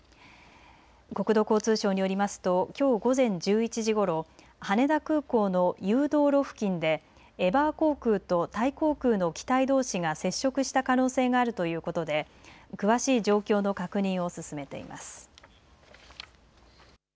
国土交通省によりますときょう午前１１時ごろ、羽田空港の誘導路付近でエバー航空とタイ航空の機体どうしが接触した可能性があるということで詳しい状況の確認を進めています。